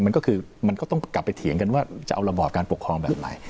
มันก็คือมันก็ต้องกลับไปเถียงกันว่าจะเอาระบอบการปกครองแบบไหน